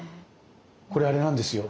これあれなんですよ。